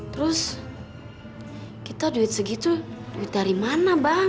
terus kita duit segitu duit dari mana bang